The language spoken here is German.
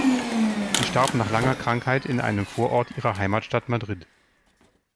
Sie starb nach langer Krankheit in einem Vorort ihrer Heimatstadt Madrid.